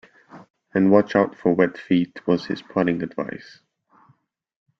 And watch out for wet feet, was his parting advice.